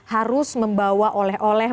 harus membawa oleh oleh